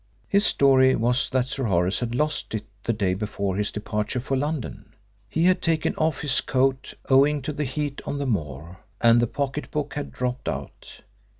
His story was that Sir Horace had lost it the day before his departure for London. He had taken off his coat owing to the heat on the moor, and the pocket book had dropped out.